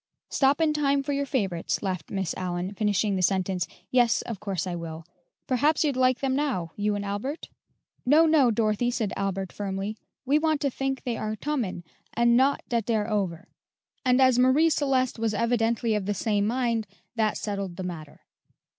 "Stop in time for your favorites," laughed Miss Allyn, finishing the sentence. "Yes, of course I will. Perhaps you'd like them now, you and Albert?" "No, no, Dorothy," said Albert firmly; "we want to think they are tomin', and not dat dey're over." And as Marie Celeste was evidently of the same mind, that settled the matter.